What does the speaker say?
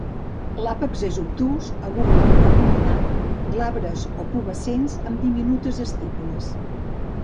L'àpex és obtús, agut o acuminat, glabres o pubescents, amb diminutes estípules.